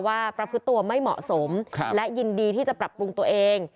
ประพฤติตัวไม่เหมาะสมและยินดีที่จะปรับปรุงตัวเอง